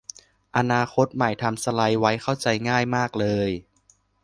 อนาคตใหม่ทำสไลด์ไว้เข้าใจง่ายมากเลย